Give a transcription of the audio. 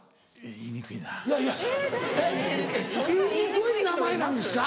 言いにくい名前なんですか？